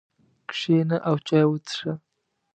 کښېنه او چای وڅښه.